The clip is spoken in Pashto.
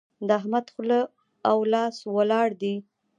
د احمد خوله او لاس ولاړ دي.